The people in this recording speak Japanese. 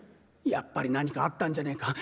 「やっぱり何かあったんじゃねえか」。